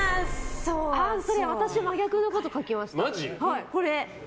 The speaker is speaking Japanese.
私、真逆のこと書きました。